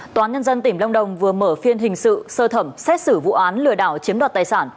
toán nhân dân tỉnh long đồng vừa mở phiên hình sự sơ thẩm xét xử vụ án lừa đảo chiếm đoạt tài sản